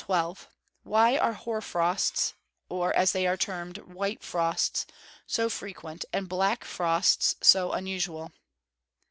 _Why are hoar frosts, or, as they are termed, "white frosts," so frequent, and "black frosts" so unusual?